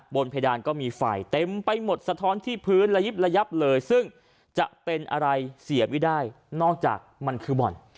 เพดานก็มีไฟเต็มไปหมดสะท้อนที่พื้นระยิบระยับเลยซึ่งจะเป็นอะไรเสียไม่ได้นอกจากมันคือบ่อน